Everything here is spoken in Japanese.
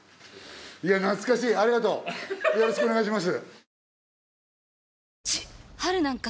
いや懐かしいありがとうよろしくお願いします。